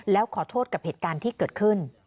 แล้วขอโทษกับเหตุการณ์ที่เกิดขึ้น